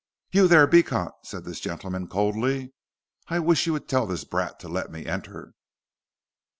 "You there, Beecot?" said this gentleman, coldly. "I wish you would tell this brat to let me enter."